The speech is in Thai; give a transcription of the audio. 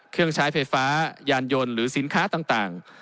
เครื่องใช้ไฟฟ้ายานยนต์หรือสินค้าต่าง